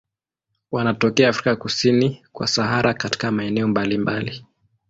Wanatokea Afrika kusini kwa Sahara katika maeneo mbalimbali.